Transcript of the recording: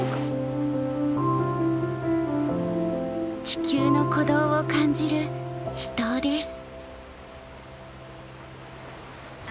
地球の鼓動を感じる秘湯です。